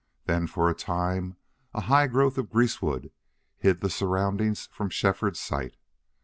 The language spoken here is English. Then for a time a high growth of greasewood hid the surroundings from Shefford's sight.